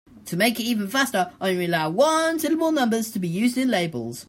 To make it even faster, I only allow one-syllable numbers to be used in labels.